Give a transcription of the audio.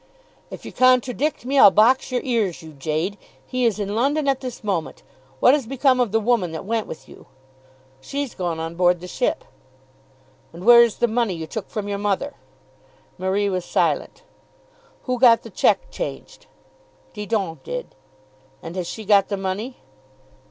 "If you contradict me, I'll box your ears, you jade. He is in London at this moment. What has become of the woman that went with you?" "She's gone on board the ship." "And where is the money you took from your mother?" Marie was silent. "Who got the cheque changed?" "Didon did." "And has she got the money?"